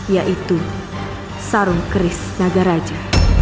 yaitu sarung keris naga raja